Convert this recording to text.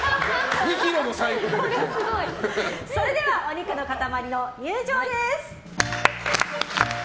それではお肉の塊の入場です。